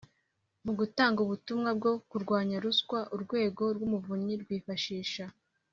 Mu gutanga ubutumwa bwo kurwanya ruswa Urwego rw Umuvunyi rwifashisha